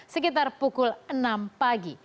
sekitar pukul enam pagi